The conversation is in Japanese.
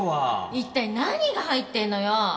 一体何が入ってるのよ？